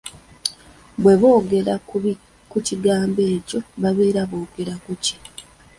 Bwe boogera ku kigambo ekyo babeera boogera ku ki?